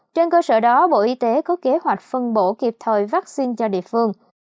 trên cơ sở đó bộ y tế có kế hoạch phân bổ kịp thời vaccine cho địa phương